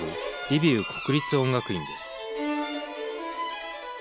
リビウ国立音楽院です。